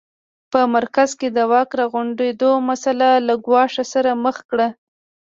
په مرکز کې د واک راغونډېدو مسٔله له ګواښ سره مخ کړه.